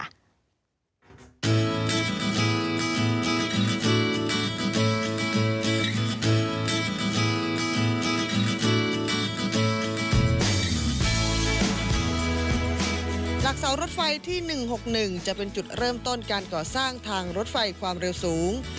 หลักเสารถไฟที่๑๖๑จะเป็นจุดเริ่มต้นการก่อสร้างทางรถไฟความเร็วสูง